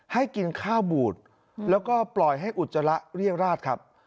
ให้กินข้าวบูดแล้วก็ปล่อยให้อุจจาระเรียราชครับ